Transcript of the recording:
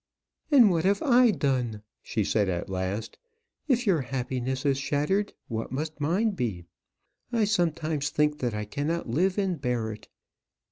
"And what have I done?" she said at last. "If your happiness is shattered, what must mine be? I sometimes think that I cannot live and bear it.